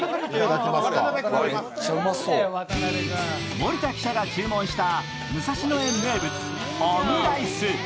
森田記者が注文した武蔵野園名物オムライス。